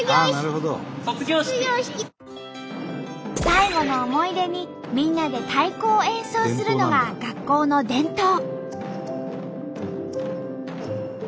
最後の思い出にみんなで太鼓を演奏するのが学校の伝統。